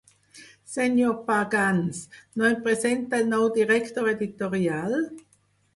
Senyor Pagans, no em presenta el nou director editorial?